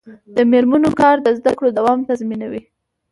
د میرمنو کار د زدکړو دوام تضمینوي.